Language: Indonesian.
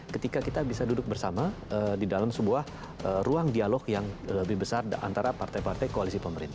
ketika kita bisa duduk bersama di dalam sebuah ruang dialog yang lebih besar antara partai partai koalisi pemerintah